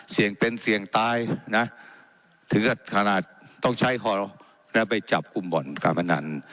เสี่ยงเป็นเสี่ยงตายนะถึงกับขนาดต้องใช้คอแล้วไปจับกลุ่มบ่อนการพนัน